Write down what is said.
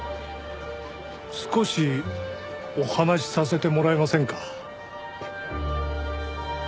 少しお話しさせてもらえませんか？